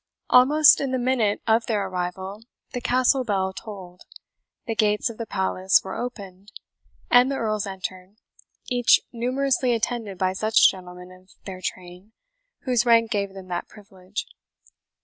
Almost in the minute of their arrival the castle bell tolled, the gates of the Palace were opened, and the Earls entered, each numerously attended by such gentlemen of their train whose rank gave them that privilege.